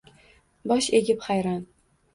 Bosh egib hayron